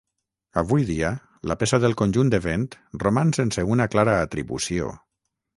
Avui dia, la peça del conjunt de vent roman sense una clara atribució.